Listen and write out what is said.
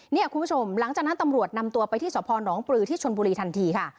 คุณผู้ชมหลังจากนั้นตำรวจนำตัวไปที่สพนปลือที่ชนบุรีทันทีค่ะ